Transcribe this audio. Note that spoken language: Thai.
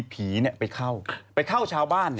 ผีเนี่ยไปเข้าไปเข้าชาวบ้านเนี่ย